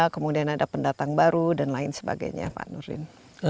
kemudian ada pendatang baru dan lain sebagainya pak nurdin